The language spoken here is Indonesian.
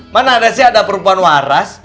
mana ada sih ada perubahan waras